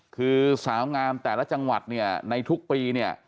คือสาวงามแต่ละจังหวัดเนี่ยในทุกปีเนี่ย